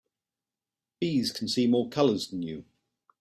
Bees can see more colors than you.